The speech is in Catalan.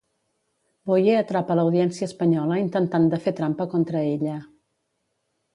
Boye atrapa l'Audiència espanyola intentant de fer trampa contra ella.